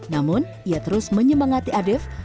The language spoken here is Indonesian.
namun ia terus menyemangati adef